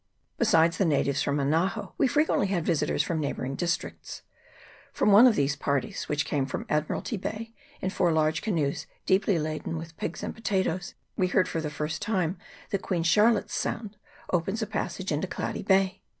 Besides the natives from Anaho, we frequently had visitors from neighbouring districts . From one of these parties, which came from Admiralty Bay, in four large canoes deeply laden with pigs and potatoes, we heard for the first time that Queen Charlotte s Sound opens by a passage into Cloudy Bay.